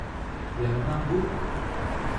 Jangan mabuk!